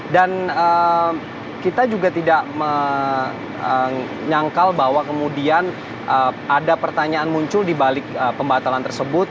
dan kita juga tidak menyangkal bahwa kemudian ada pertanyaan muncul di balik pembatalan tersebut